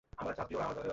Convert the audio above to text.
কি বোঝাতে চাচ্ছো, তুমি?